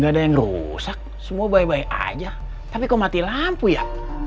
gak ada yang rusak semua baik baik aja tapi kok mati lampu ya